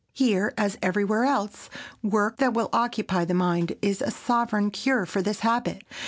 Here, as everywhere else, work that will occupy the mind is a sovereign cure for this habit.